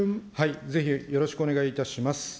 ぜひよろしくお願いいたします。